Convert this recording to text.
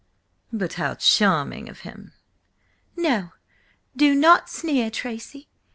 "But how charming of him!" "No, do not sneer, Tracy!